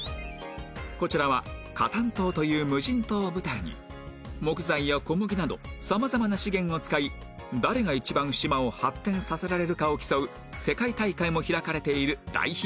こちらはカタン島という無人島を舞台に木材や小麦など様々な資源を使い誰が一番島を発展させられるかを競う世界大会も開かれている大ヒットゲーム